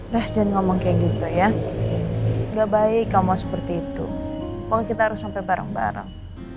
lah jangan ngomong kayak gitu ya nggak baik kamu seperti itu pokoknya kita harus sampai bareng bareng